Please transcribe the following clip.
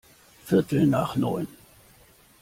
Viertel nach neun.